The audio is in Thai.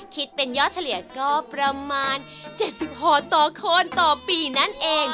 คิดเป็นยอดเฉลี่ยก็ประมาณ๗๖ต่อคนต่อปีนั่นเอง